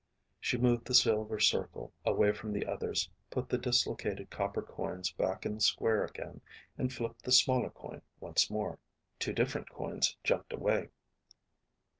She moved the silver circle away from the others, put the dislocated copper coins back in the square again, and flipped the smaller coin once more. Two different coins jumped away.